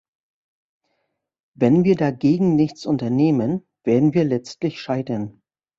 Wenn wir dagegen nichts unternehmen, werden wir letztlich scheitern.